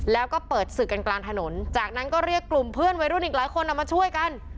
แล้วก็เปิดศึกกันกลางถนนจากนั้นก็เรียกกลุ่มเพื่อนวัยรุ่นอีกหลายคนเอามาช่วยกัน